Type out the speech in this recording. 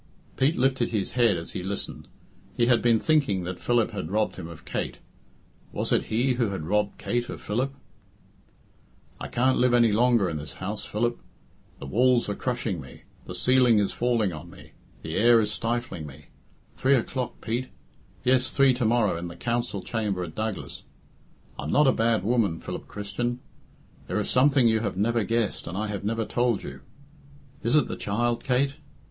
Pete lifted his head as he listened. He had been thinking that Philip had robbed him of Kate. Was it he who had robbed Kate of Philip? "I can't live any longer in this house, Philip the walls are crushing me; the ceiling is falling on me; the air is stifling me three o'clock, Pete yes, three to morrow, in the Council Chamber at Douglas I'm not a bad woman, Philip Christian there is something you have never guessed and I have never told you is it the child, Kate?